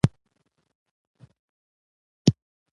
مس بارکلي: تر اوسه دې له یو چا سره مینه کړې؟